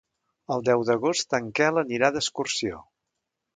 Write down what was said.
El deu d'agost en Quel anirà d'excursió.